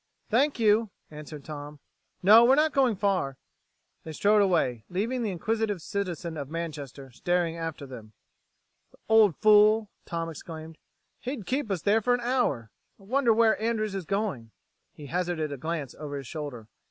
"Thank you," answered Tom. "No, we're not going far." They strode away, leaving the inquisitive citizen of Manchester staring after them. "The old fool!" Tom exclaimed. "He'd keep us there for an hour. I wonder where Andrews is going?" He hazarded a glance over his shoulder.